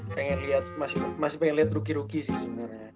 pengen liat masih pengen liat rookie rookie sih sebenernya